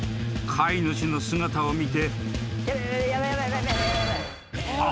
［飼い主の姿を見て］